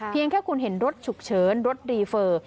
แค่คุณเห็นรถฉุกเฉินรถรีเฟอร์